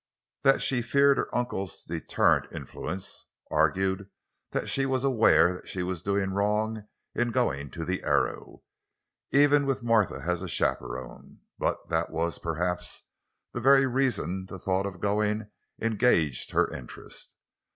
That she feared her uncle's deterrent influence argued that she was aware that she was doing wrong in going to the Arrow—even with Martha as chaperon; but that was, perhaps, the very reason the thought of going engaged her interest.